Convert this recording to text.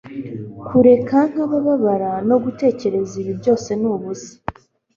kureka nkababara no gutekereza ibi byose ni ubusa